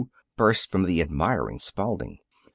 burst from the admiring Spalding.